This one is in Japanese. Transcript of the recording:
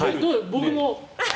僕も。